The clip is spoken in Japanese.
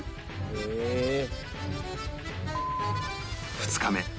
２日目